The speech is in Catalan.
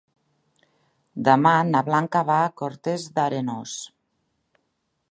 Demà na Blanca va a Cortes d'Arenós.